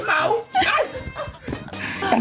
แตกไหม